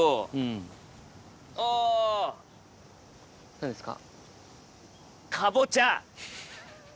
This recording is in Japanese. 何ですか？